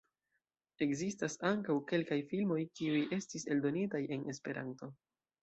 Ekzistas ankaŭ kelkaj filmoj, kiuj estis eldonitaj en Esperanto.